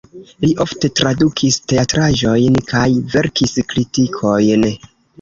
Li ofte tradukis teatraĵojn kaj verkis kritikojn.